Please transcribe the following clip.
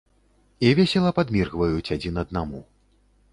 І весела падміргваюць адзін аднаму.